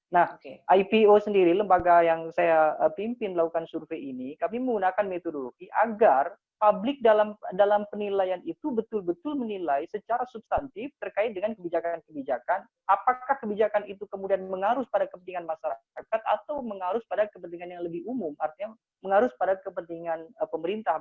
nah ipo sendiri lembaga yang saya pimpin melakukan survei ini kami menggunakan metodologi agar publik dalam penilaian itu betul betul menilai secara substantif terkait dengan kebijakan kebijakan apakah kebijakan itu kemudian mengarus pada kepentingan masyarakat atau mengarus pada kepentingan yang lebih umum artinya mengarus pada kepentingan pemerintah